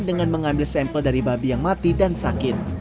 dengan mengambil sampel dari babi yang mati dan sakit